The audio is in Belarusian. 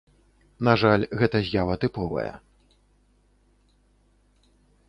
На жаль, гэта з'ява тыповая.